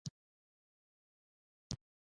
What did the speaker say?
شولې له وچیدو وروسته ماشینیږي.